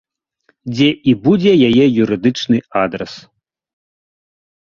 Дзе і будзе яе юрыдычны адрас.